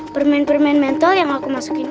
permen permen mental yang aku masukin